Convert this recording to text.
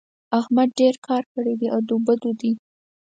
احمد ډېر کار کړی دی؛ ادو بدو دی.